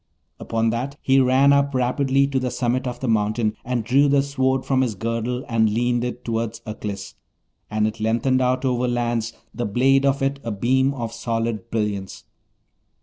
Upon that, he ran up rapidly to the summit of the mountain and drew the Sword from his girdle, and leaned it toward Aklis, and it lengthened out over lands, the blade of it a beam of solid brilliance.